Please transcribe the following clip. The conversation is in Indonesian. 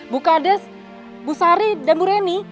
bu kades bu sari dan bu reni